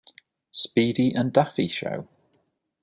Speedy and Daffy Show.